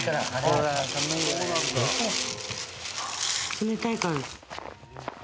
冷たいから。